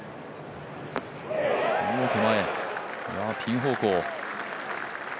手前、ピン方向。